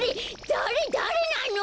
だれだれなの！？